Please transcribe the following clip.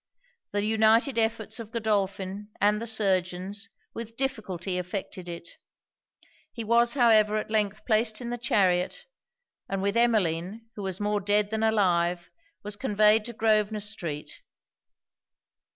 The united efforts of Godolphin and the surgeons, with difficulty effected it. He was however at length placed in the chariot; and with Emmeline, who was more dead than alive, was conveyed to Grosvenor street.